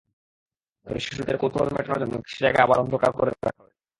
তবে শিশুদের কৌতূহল মেটানোর জন্য কিছু জায়গা আবার অন্ধকার করে রাখা হয়েছে।